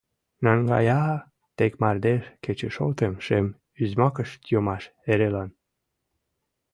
Наҥгая тек мардеж кечышотым, шем узьмакыш йомаш, эрелан.